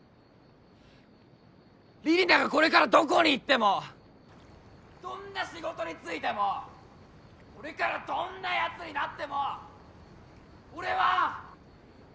李里奈がこれからどこに行ってもどんな仕事に就いてもこれからどんなヤツになっても俺は！